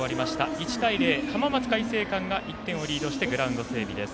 １対０浜松開誠館が１点をリードしてグラウンド整備です。